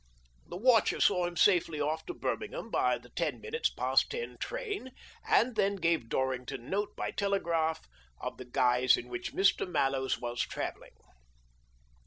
The watcher saw him safely off to Birmingham by the ten minutes past ten train, and then gave Dorrington note by telegraph of the guise in which Mr. Mallows was travelling.